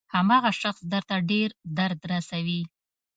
هماغه شخص درته ډېر درد رسوي.